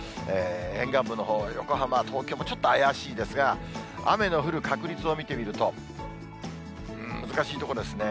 沿岸部のほう、横浜、東京もちょっと怪しいですが、雨の降る確率を見てみると、うーん、難しいところですね。